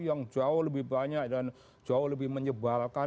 yang jauh lebih banyak dan jauh lebih menyebalkan